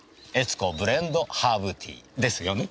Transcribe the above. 悦子ブレンドハーブティーですよね？